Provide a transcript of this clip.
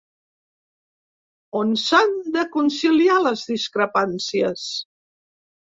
On s’han de conciliar les discrepàncies?